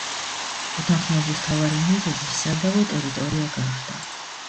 უთანხმოების მთავარი მიზეზი სადავო ტერიტორია გახდა.